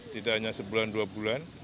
tidak hanya sebulan dua bulan